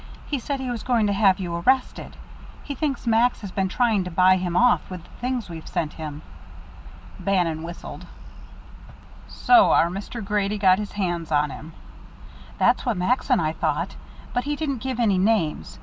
He said he was going to have you arrested. He thinks Max has been trying to buy him off with the things we've sent him." Bannon whistled. "So our Mr. Grady's got his hands on him!" "That's what Max and I thought, but he didn't give any names.